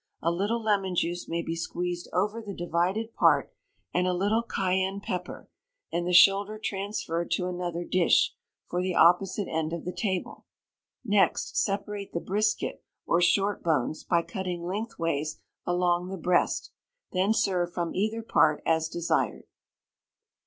A little lemon juice may be squeezed over the divided part, and a little Cayenne pepper, and the shoulder transferred to another dish, for the opposite end of the table. Next separate the brisket, or short bones, by cutting lengthways along the breast. Then serve from either part as desired.